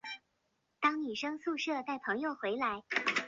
戈拉日代。